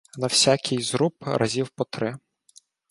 На всякий зруб разів по три.